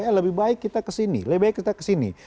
ya lebih baik kita kesini lebih baik kita kesini